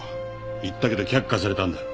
言ったけど却下されたんだ。